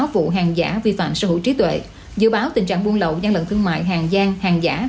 một nghìn tám trăm sáu mươi sáu vụ hàng giả vi phạm sở hữu trí tuệ dự báo tình trạng buôn lậu gian lận thương mại hàng giang hàng giả